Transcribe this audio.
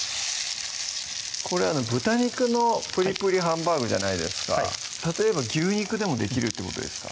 これ「豚肉のぷりぷりハンバーグ」じゃないですか例えば牛肉でもできるってことですか？